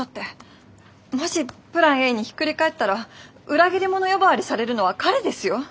もしプランＡにひっくり返ったら裏切り者呼ばわりされるのは彼ですよ。